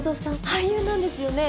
俳優なんですよね？